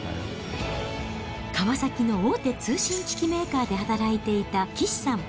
川崎の大手通信機器メーカーで働いていた岸さん。